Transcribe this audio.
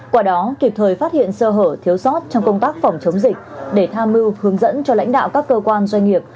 qua đó kịp thời phát hiện sơ hở thiếu sót trong công tác phòng chống dịch để tham mưu hướng dẫn cho lãnh đạo các cơ quan doanh nghiệp